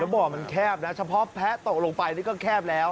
บ่อมันแคบนะเฉพาะแพะตกลงไปนี่ก็แคบแล้ว